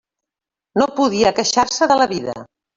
No podia queixar-se de la vida.